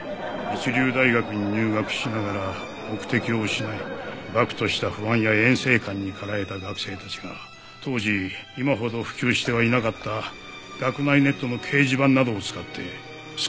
一流大学に入学しながら目的を失い漠とした不安や厭世観に駆られた学生たちが当時今ほど普及してはいなかった学内ネットの掲示板などを使って少しずつ集まった。